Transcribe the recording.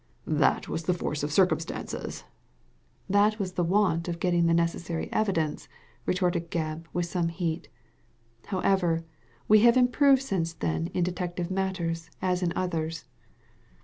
" That was the force of circumstances." " It was the want of getting the necessary evidence," retorted Gebb, with some heat. " However, we have improved since then in detective matters, as in others."